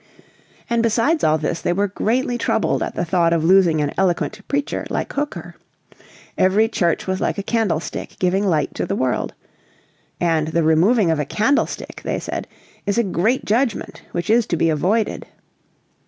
And besides all this they were greatly troubled at the thought of losing an eloquent preacher like Hooker. Every church was like a candlestick giving light to the world. "And the removing of a candlestick," they said, "is a great judgment, which is to be avoided."